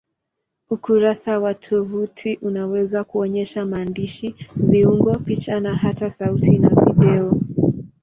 Ukurasa wa tovuti unaweza kuonyesha maandishi, viungo, picha au hata sauti na video.